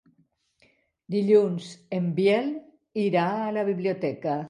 Dilluns en Biel irà a la biblioteca.